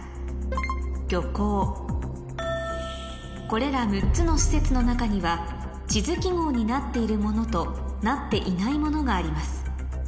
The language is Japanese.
これら６つの施設の中には地図記号になっているものとなっていないものがあります